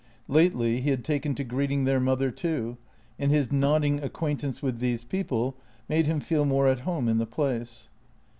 Lately he had taken to greeting their mother too, and his nodding acquaintance with these people made him feel more at home in the place.